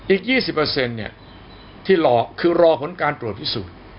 อีก๒๐ที่รอคือรอผลการตรวจพิสูจน์